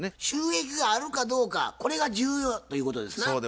収益があるかどうかこれが重要ということですな。